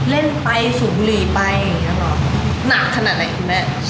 เล่นไปสูบบลีไปหนักขนาดไหนคุณแม่